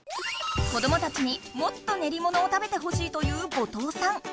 子どもたちにもっとねりものを食べてほしいという後藤さん。